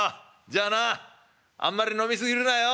じゃあなあんまり飲み過ぎるなよ」。